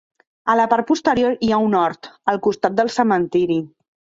A la part posterior hi ha un hort, al costat del cementiri.